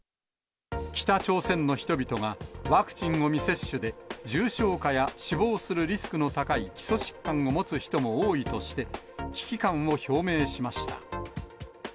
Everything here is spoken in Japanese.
北朝鮮の人々が、ワクチンを未接種で重症化や死亡するリスクの高い基礎疾患を持つ人も多いとして、危機感を表明しました。